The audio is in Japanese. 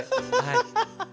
アハハハハ！